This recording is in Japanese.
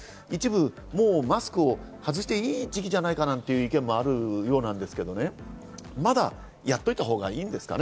マスクを外していい時期なんじゃないかという意見もあるようですけど、まだやっといたほうがいいんですかね。